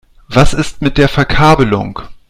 Was ist mit der Verkabelung?